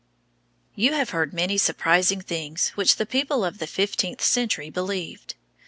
You have heard many surprising things which the people of the fifteenth century believed.